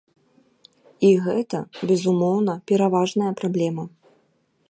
І гэта, безумоўна, пераважная праблема.